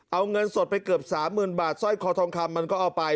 เอาเงินสดไปเกือบ๓๐๐๐บาทสร้อยคอทองคำมันก็เอาไป